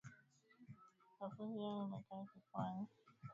Lafudhi yao imekaa kipwani na kitofauti na yenye upole wakati wa kuzungumza